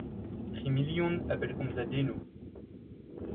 Tri million a bellgomzadennoù.